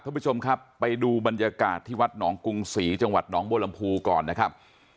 ท่านผู้ชมครับไปดูบรรยากาศที่วัดหนองกรุงศรีจังหวัดหนองบัวลำพูก่อนนะครับ